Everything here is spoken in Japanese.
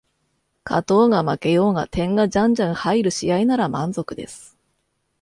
勝とうが負けようが点がじゃんじゃん入る試合なら満足です